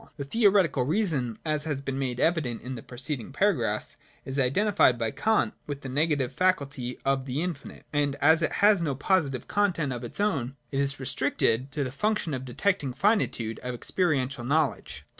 The theoretical reason, as has been made evident in the preceding paragraphs, is identified by Kant with the negative faculty of the infinite ; and as it has no positive content of its own, it is restricted to the function of detecting the finitude of experiential knowledge.